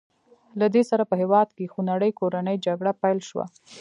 له دې سره په هېواد کې خونړۍ کورنۍ جګړه پیل شوه.